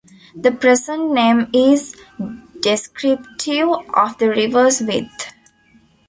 The present name is descriptive of the river's width.